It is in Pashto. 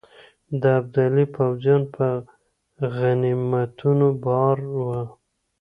د ابدالي پوځیان په غنیمتونو بار وه.